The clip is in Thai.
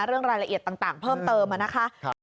เรื่องรายละเอียดต่างเพิ่มเติมนะคะ